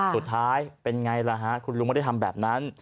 สุดท้ายเป็นไงล่ะฮะคุณลุงไม่ได้ทำแบบนั้น